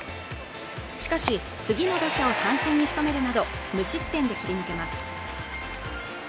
しかし次の打者を三振に仕留めるなど無失点で切り抜けます